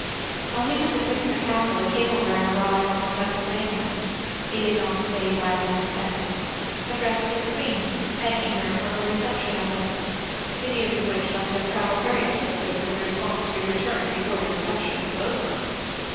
While he was at Windsor Castle a cablegram arrived from Pennsylvania (he did not say by whom sent) addressed to the Queen, thanking her for her reception of him, — the news of which must have travelled very swiftly for the response to be returned before the reception was over.